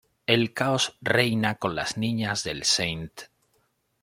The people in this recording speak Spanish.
El caos reina con las niñas del St.